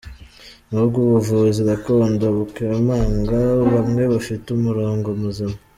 Nubwo ubuvuzi gakondo bukemangwa, bamwe bafite umurongo muzima